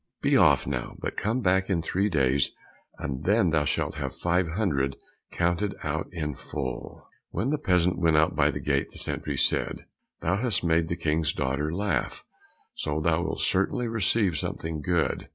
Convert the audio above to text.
Be off now, but come back in three days, and then thou shalt have five hundred counted out in full." When the peasant went out by the gate, the sentry said, "Thou hast made the King's daughter laugh, so thou wilt certainly receive something good."